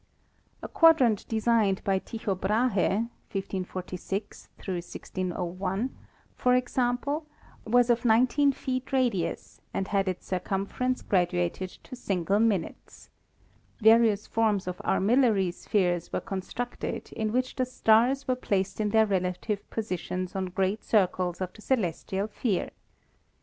A quadrant designed by Tycho Brahe (1 546 1601), for 14 ASTRONOMY example, was of 19 feet radius and had its circumference graduated to single minutes. Various forms of armillary spheres were constructed in which the stars were placed in their relative positions on great circles of the celestial sphere.